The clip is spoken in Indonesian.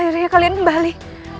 akhirnya kalian kembali